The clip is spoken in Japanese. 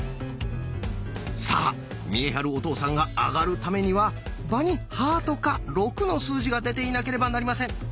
さあ見栄晴お父さんがあがるためには場にハートか「６」の数字が出ていなければなりません。